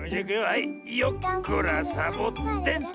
はいよっこらサボテンと。